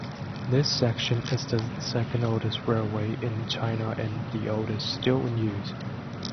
This section is the second-oldest railway in China and the oldest still in use.